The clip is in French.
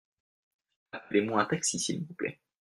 Appelez-moi un taxi s’il vous plait.